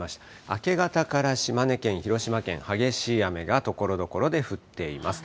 明け方から島根県、広島県、激しい雨がところどころで降っています。